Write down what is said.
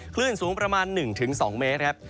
คลื่นสูงประมาณ๑๒เมตรครับ